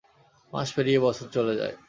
মাস পেরিয়ে বছর চলে যায়।